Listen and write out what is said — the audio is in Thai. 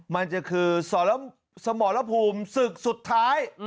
มันจะคือสมรภูมิศึกสุดท้าย